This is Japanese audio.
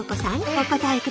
お答えください。